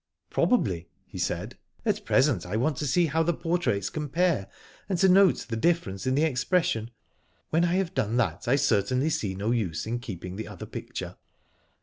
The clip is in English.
" Probably," he said. " At present I want to see how the portraits compare, and to note the difiference in the expression. When I have done that I certainly see no use in keeping the other picture